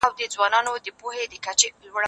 هغه څوک چي پوښتنه کوي پوهه اخلي!؟